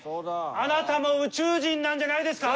あなたも宇宙人なんじゃないですか？